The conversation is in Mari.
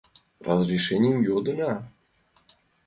Разрешенийым йодына